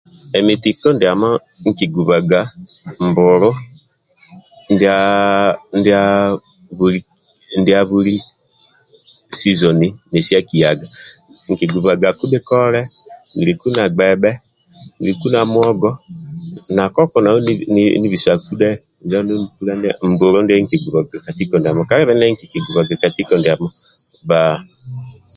Emi tkoko ndiamo nkigubaga mbulu ndia ndia buli ndia buli sizoni nesi akiyaga nkigubaga bhikole niliku na gbebhe niliku na muogo na koko bau ni nibisaku dhe injo andulu mbulu ndie nkigubaga ka tiko ndiamo kalibe ndie kikigubaga ka tiko bba